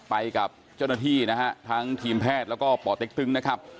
ไปกับเจ้าหน้าที่นะฮะทั้งทีมแพทย์แล้วก็ป่อเต็กตึงนะครับ